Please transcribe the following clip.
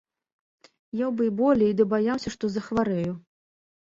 Еў бы і болей, ды баяўся, што захварэю.